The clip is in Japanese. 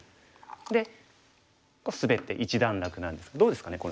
でスベって一段落なんですがどうですかね